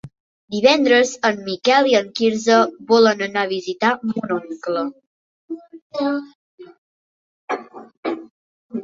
Divendres en Miquel i en Quirze volen anar a visitar mon oncle.